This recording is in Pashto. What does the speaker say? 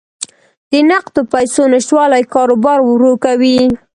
د نقدو پیسو نشتوالی کاروبار ورو کوي.